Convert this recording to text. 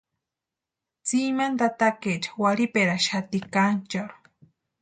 Tsimani tatakaecha warhiperaxati kancharhu.